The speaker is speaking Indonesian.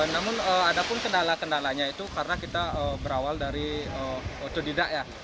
namun ada pun kendala kendalanya itu karena kita berawal dari otodidak ya